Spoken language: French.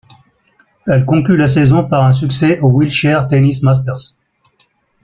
Elle conclut la saison par un succès au Wheelchair Tennis Masters.